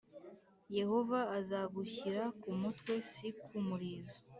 Yehova azagushyira ku mutwe; si ku murizo.